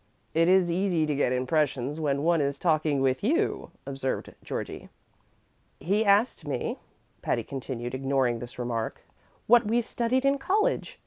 "It is easy to get impressions when one is talking with you," observed Georgie. "He asked me," Patty continued, ignoring this remark, "what we studied in college!